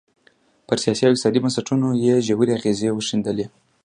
پر سیاسي او اقتصادي بنسټونو یې ژورې اغېزې وښندلې.